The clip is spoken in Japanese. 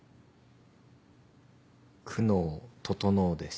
久能整です。